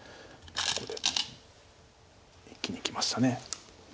ここで一気にいきました。